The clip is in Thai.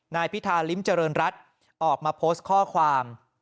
นายพิธาริมเจริญรัฐออกมาโพสต์ข้อความ